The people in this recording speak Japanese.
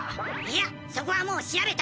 いやそこはもう調べた。